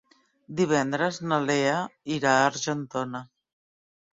Divendres na Lea irà a Argentona.